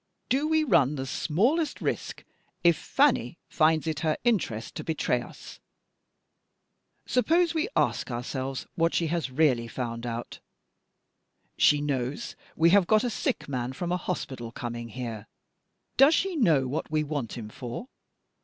Do we run the smallest risk, if Fanny finds it her interest to betray us? Suppose we ask ourselves what she has really found out. She knows we have got a sick man from a hospital coming here does she know what we want him for?